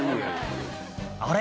「あれ？